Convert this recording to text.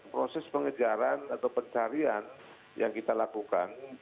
proses pengejaran atau pencarian yang kita lakukan